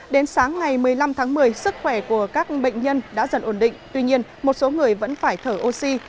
đến sáng ngày một mươi năm tháng một mươi sức khỏe của các bệnh nhân đã dần ổn định tuy nhiên một số người vẫn phải thở oxy